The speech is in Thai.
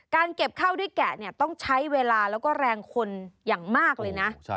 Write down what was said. เก็บข้าวด้วยแกะเนี่ยต้องใช้เวลาแล้วก็แรงคนอย่างมากเลยนะ